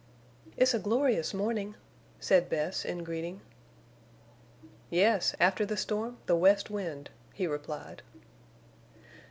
"It's a glorious morning," said Bess, in greeting. "Yes. After the storm the west wind," he replied.